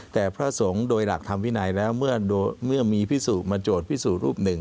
แต่พระสงฆ์โดยหลักธรรมวินัยแล้วเมื่อมีพิสุมาโจทย์พิสูจนรูปหนึ่ง